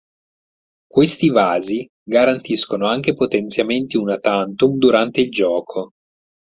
Questi vasi garantiscono anche potenziamenti una tantum durante il gioco.